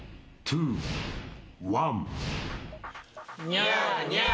ニャーニャー。